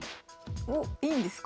おっいいんですか？